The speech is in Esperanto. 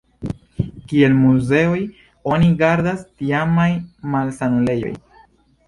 Kiel muzeoj oni gardas tiamaj malsanulejoj.